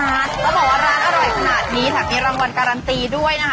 และเพราะว่าร้านอร่อยสนาดงี้แหละมีรางวัลการันตีด้วยนะคะ